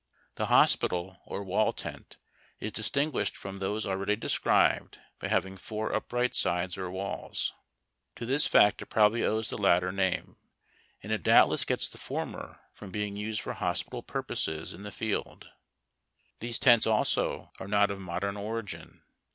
The Hospital or Wall tent is distinguished from those already described by having four upright sides or walls. To THK HOSPITAL OR WALL TKNT. this fact it probably owes the latter name, and it doubtless gets the former from being used for hospital purposes in the field. These tents, also, are not of modern origin.